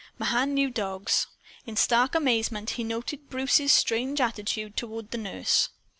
Mahan knew dogs. In stark amazement he now noted Bruce's strange attitude toward the nurse.